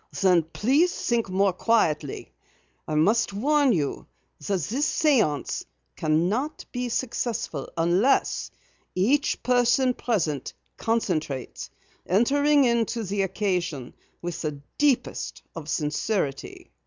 "Then please think more quietly. I must warn you that this séance cannot be successful unless each person present concentrates, entering into the occasion with the deepest of sincerity."